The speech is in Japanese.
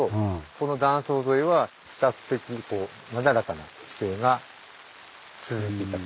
この断層沿いは比較的なだらかな地形が続いていたということですよね。